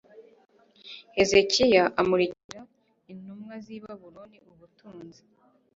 Hezekiya amurikira intumwa z i Babuloni ubutunzi